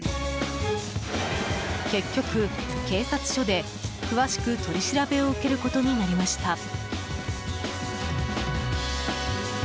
結局、警察署で詳しく取り調べを受けることになりました。